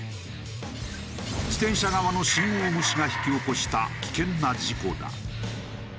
自転車側の信号無視が引き起こした危険な事故だ。